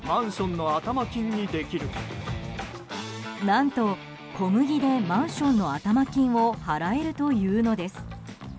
何と小麦でマンションの頭金を払えるというのです。